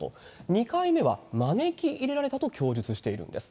２回目は招き入れられたと供述しているんです。